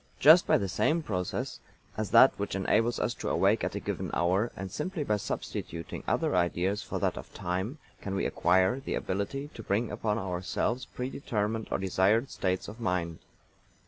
Just by the same process as that which enables us to awake at a given hour, and simply by substituting other ideas for that of time, can we acquire the ability to bring upon ourselves pre determined or desired states of mind.